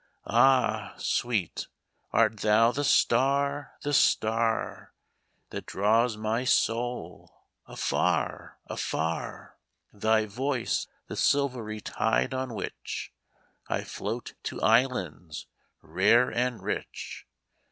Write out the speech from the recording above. Ah, sweet, art thou the star, the starThat draws my soul afar, afar? Thy voice the silvery tide on whichI float to islands rare and rich?